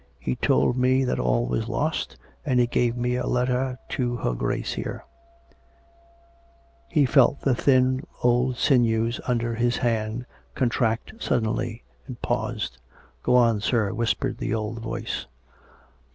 He told me that all was lost, and he gave me a letter to her Grace here " He felt the thin old sinews under his hand contract sud denly, and paused. " Go on, sir," whispered the old voice.